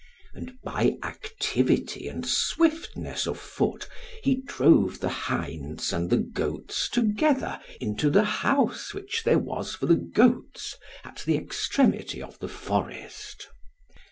And by activity and swiftness of foot, he drove the hinds and the goats together into the house which there was for the goats at the extremity of the forest.